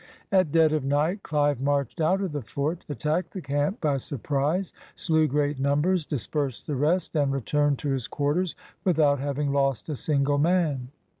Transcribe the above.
At dead of night, Clive marched out of the fort, attacked the camp by surprise, slew great numbers, dispersed the rest, and returned to his quarters without having lost a single man.